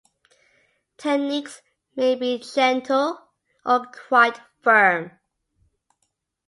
Techniques may be gentle or quite firm.